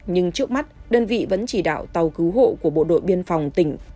nhưng trước mắt đơn vị vẫn chỉ đạo tàu cứu hộ của bộ đội biên phòng tỉnh